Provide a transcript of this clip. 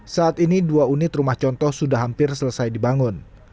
saat ini dua unit rumah contoh sudah hampir selesai dibangun